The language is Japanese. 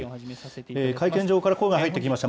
会見場から声が入ってきました。